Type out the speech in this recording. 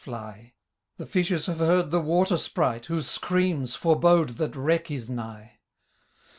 141 The fishers have heard the Water Sprite, Whose screams forbode that wreck is nigh.